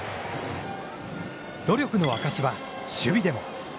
努力のあかしは守備でも。